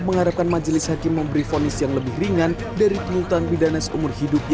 mengharapkan majelis hakim memberi vonis yang lebih ringan dari penyulutan bidanes umur hidup